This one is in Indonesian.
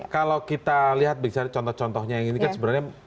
kalau kita lihat misalnya contoh contohnya yang ini kan sebenarnya